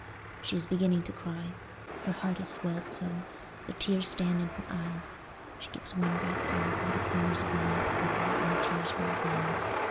She is beginning to cry: her heart has swelled so, the tears stand in her eyes; she gives one great sob, while the corners of her mouth quiver, and the tears roll down.